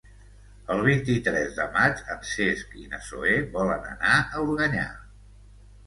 El vint-i-tres de maig en Cesc i na Zoè volen anar a Organyà.